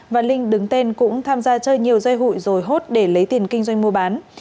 và linh đứng tên cũng tham gia chơi nhiều dây hụi rồi hốt để lấy tiền kinh doanh mua bán